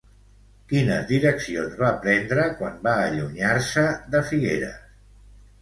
Quines direccions va prendre quan va allunyar-se de Figueres?